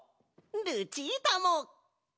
ルチータも！